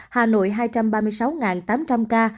hà nội hai trăm ba mươi sáu tám trăm linh ca